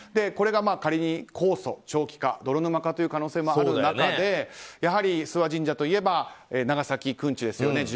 これが仮に控訴、長期化泥沼化という可能性もある中でやはり諏訪神社といえば長崎くんちですよね。